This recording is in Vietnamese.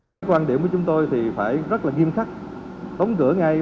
các quan điểm của chúng tôi thì phải rất là nghiêm khắc tống cửa ngay